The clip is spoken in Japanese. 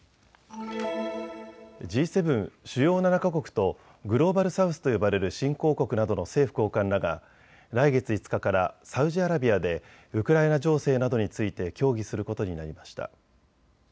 Ｇ７・主要７か国とグローバル・サウスと呼ばれる新興国などの政府高官らが来月５日からサウジアラビアでウクライナ情勢などについて協議することになりました。